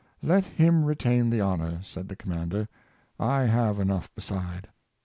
" Let him retain the honor," said the commander; " I have enough beside."